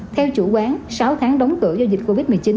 theo chủ quán sáu tháng đóng cửa do dịch covid một mươi chín